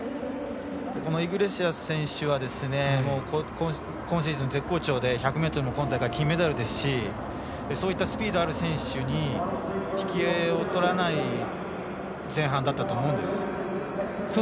イグレシアス選手は今シーズン絶好調で１００ｍも金メダルですしそういったスピードのある選手に引けを取らない前半だったと思うんです。